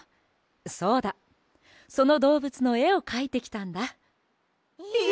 そうだそのどうぶつのえをかいてきたんだ。え！？